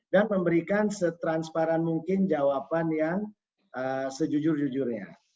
dan memberikan setransparan mungkin jawaban yang sejujur jujurnya